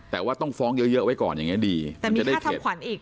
แต่ว่าต้องฟ้องเยอะเยอะเอาไว้ก่อนอย่างงี้ดีมันจะได้เข็ดแต่มีค่าทำขวัญอีก